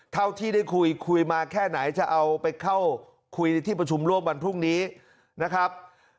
เท่าที่ได้คุยคุยมาแค่ไหนจะเอาไปเข้าคุยในที่ประชุมร่วมวันพรุ่งนี้นะครับ